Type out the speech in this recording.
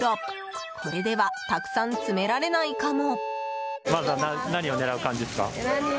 これではたくさん詰められないかも。